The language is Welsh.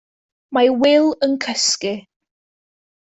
Mae Wil yn cysgu.